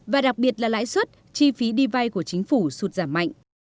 và đặc biệt là lãi suất chi phí đi vay của chính phủ sụt giảm mạnh